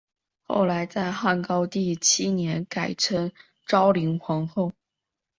后来在汉高帝七年改称昭灵皇后。